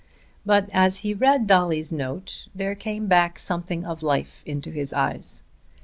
But, as he read Dolly's note, there came back something of life into his eyes.